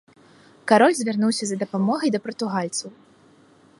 Кароль звярнуўся за дапамогай да партугальцаў.